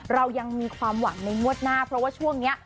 เรายังมีความหวังในงวดหน้าเพราะว่าช่วงนี้